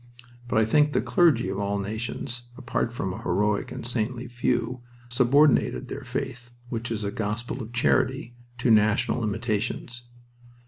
But I think the clergy of all nations, apart from a heroic and saintly few, subordinated their faith, which is a gospel of charity, to national limitations.